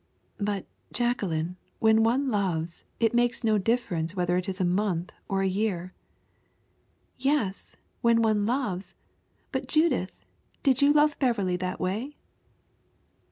"But, Jacqueline, when one loves, it makes no difference whether it is a month or a year." "Yes, when one loves; but, Judith, did you love Beverley that way?"